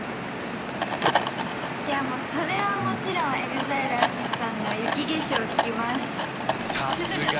いやもうそれはもちろんＥＸＩＬＥＡＴＳＵＳＨＩさんの「雪化粧」聴きますさすが！